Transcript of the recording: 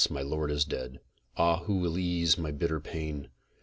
my lord is dead! Ah, who will ease my bitter pain?